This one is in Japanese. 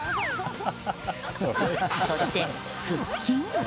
そして腹筋も。